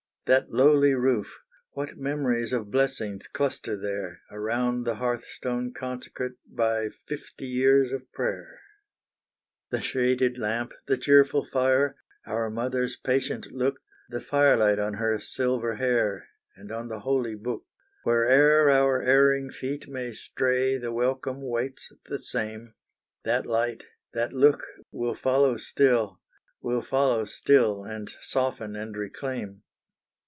That lowly roof what memories Of blessings cluster there, Around the hearthstone consecrate By fifty years of prayer! The shaded lamp, the cheerful fire, Our Mother's patient look, The firelight on her silver hair, And on the Holy Book; Where e'er our erring feet may stray, The welcome waits the same, That light, that look will follow still, And soften and reclaim.